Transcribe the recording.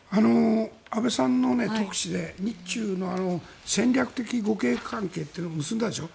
安倍さんの特使で日中の戦略的互恵関係というのを結んだでしょ。